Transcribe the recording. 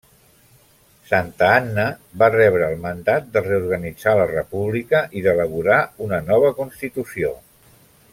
Santa Anna va rebre el mandat de reorganitzar la República i d'elaborar una nova constitució.